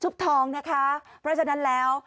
เพราะฉะนั้นแล้ว